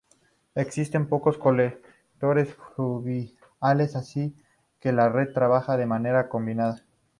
Existen pocos colectores fluviales, así que la red trabaja de manera combinada.